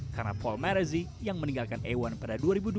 karena paul marazzi yang meninggalkan a satu pada dua ribu dua